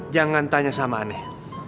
jangan tanya sama aneh